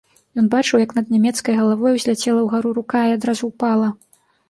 Ён бачыў, як над нямецкай галавой узляцела ўгару рука і адразу ўпала.